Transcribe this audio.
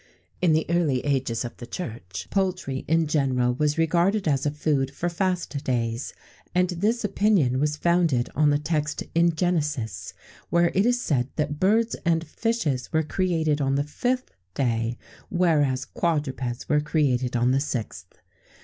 [XVII 3] In the early ages of the Church, poultry in general was regarded as a food for fast days; and this opinion was founded on the text in Genesis, where it is said that birds and fishes were created on the fifth day, whereas quadrupeds were created on the sixth.